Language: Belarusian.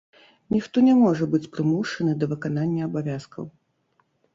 Ніхто не можа быць прымушаны да выканання абавязкаў.